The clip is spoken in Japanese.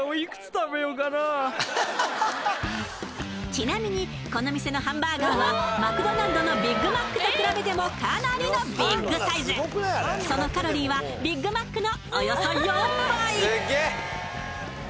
ちなみにこの店のハンバーガーはマクドナルドのビッグマックと比べてもかなりのビッグサイズそのカロリーはビッグマックのおよそ４倍！